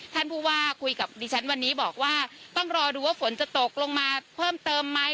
ท่านผู้ว่าคุยกับดิฉันวันนี้บอกว่าต้องรอดูว่าฝนจะตกลงมาเพิ่มเติมไหม